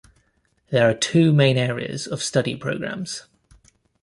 There are two main areas of study programmes.